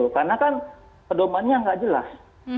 karena kan pedoman nya nggak jelas